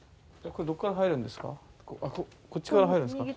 これどっから入るんですか？